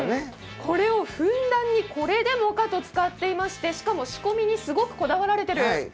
これをふんだんに、これでもかと使っていましてしかも仕込みにすごくこだわられてる。